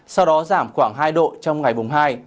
sau đó giảm khoảng hai độ trong ngày mùng hai